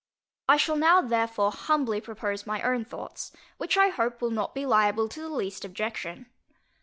I shall now therefore humbly propose my own thoughts, which I hope will not be liable to the least objection.